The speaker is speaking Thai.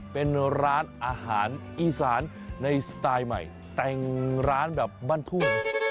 เป็นร้านอาหารอีสานในสไตล์ใหม่แต่งร้านแบบบ้านทุ่ง